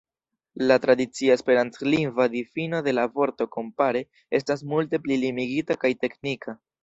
La tradicia esperantlingva difino de la vorto kompare estas multe pli limigita kaj teknika.